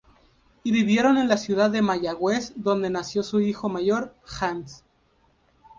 Y vivieron en la ciudad de Mayagüez donde nació su hijo mayor, Hans.